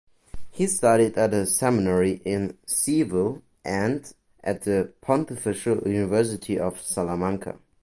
He studied at the seminary in Seville and at the Pontifical University of Salamanca.